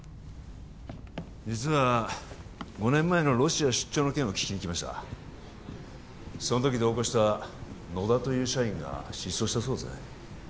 実は５年前のロシア出張の件を聞きに来ましたその時同行した野田という社員が失踪したそうですね